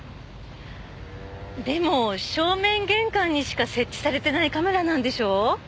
でも正面玄関にしか設置されてないカメラなんでしょ。